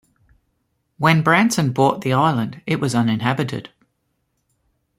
When Branson bought the island, it was uninhabited.